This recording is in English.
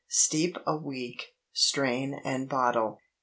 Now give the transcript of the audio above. Steep a week, strain and bottle.